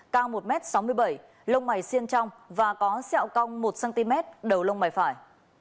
cao một m sáu mươi bảy lông bảy xiên trong và có xẹo cong một cm đầu lông bảy phải